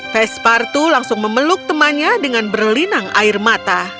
pespartu langsung memeluk temannya dengan berlinang air mata